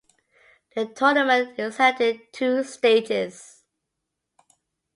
The tournament is held in two stages.